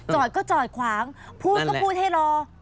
จอดก็จอดขวางพูดก็พูดให้รอ